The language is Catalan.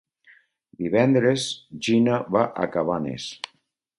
Divendres na Gina va a Cabanes.